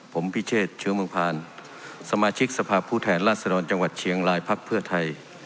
ผมพิเชษเชื้อเมืองพานสมาชิกสภาพผู้แทนราชดรจังหวัดเชียงรายพักเพื่อไทย